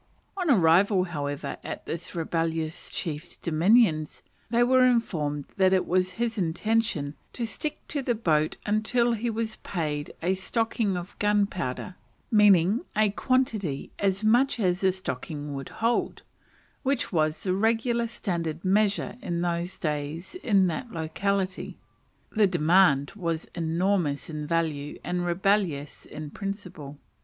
On arrival, however, at this rebellious chief's dominions, they were informed that it was his intention to stick to the boat until he was paid a "stocking of gunpowder" meaning a quantity as much as a stocking would hold, which was the regular standard measure in those days in that locality. A stocking of gunpowder! who ever heard of such an awful imposition? The demand was enormous in value and rebellious in principle.